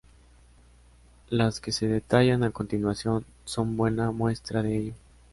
Las que se detallan a continuación son buena muestra de ello.